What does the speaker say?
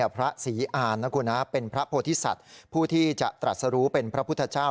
พระศรีอานนะคุณเป็นพระโพธิสัตว์ผู้ที่จะตรัสรู้เป็นพระพุทธเจ้า